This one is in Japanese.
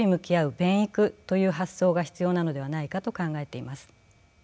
便育という発想が必要なのではないかと考えています。